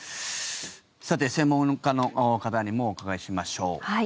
さて、専門家の方にもお伺いしましょう。